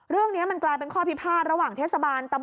เรื่องขยะ